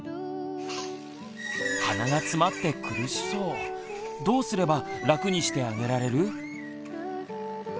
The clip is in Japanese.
鼻がつまって苦しそうどうすれば楽にしてあげられる？